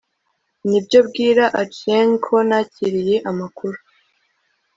nibyo, bwira achieng 'ko nakiriye amakuru